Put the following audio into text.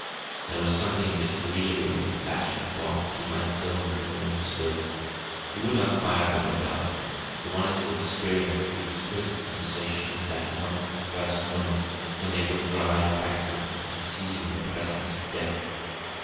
There was something disagreeable in the flashing thought that he might kill them from where he stood. He would not fire from the dark. He wanted to experience the exquisite sensation of that one first moment when they would writhe back from him, and see in him the presence of death.